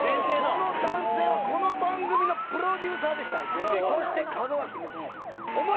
その男性はこの番組のプロデューサーでしたそして門脇麦。